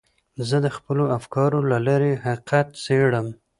زه د خپلو افکارو له لارې حقیقت څېړم.